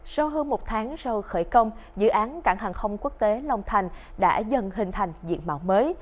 sau hơn một tháng sau khởi công dự án cảng hàng không quốc tế long thành đã dần hình thành diện mạo mới